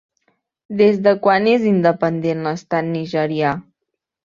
Des de quan és independent l'estat nigerià?